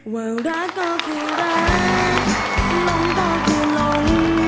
ว่ารักก็คือรักลงก็คือหล่น